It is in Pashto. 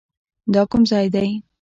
دا کوم ځاى دى.